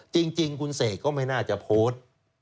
จริงคุณเสกก็ไม่น่าจะโพสต์